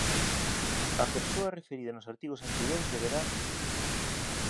A persoa referida nos artigos anteriores deberá